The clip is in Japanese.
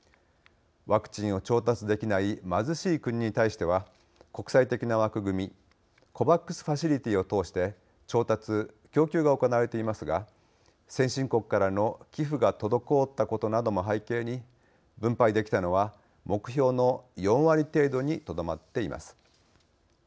ワクチンを調達できない貧しい国に対しては国際的な枠組みＣＯＶＡＸファシリティを通して調達・供給が行われていますが先進国からの寄付が滞ったことなども背景に分配できたのは、目標の４割程度にとどまっています。